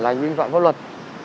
lành vi phạm pháp luật